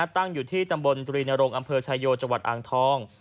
ตั้งอยู่ที่จำบลตุรีนรงค์อำเภอชายโยจอ่างทอง